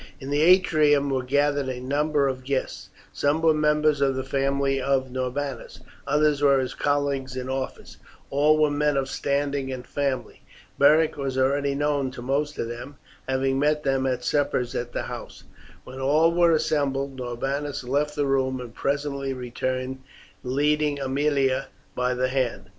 In the atrium were gathered a number of guests; some were members of the family of Norbanus, others were his colleagues in office all were men of standing and family. Beric was already known to most of them, having met them at suppers at the house. When all were assembled Norbanus left the room, and presently returned leading Aemilia by the hand.